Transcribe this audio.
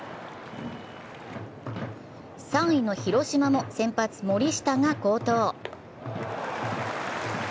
３位の広島も先発・森下が好投。